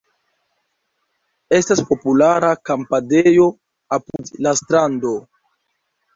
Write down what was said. Estas populara kampadejo apud la strando.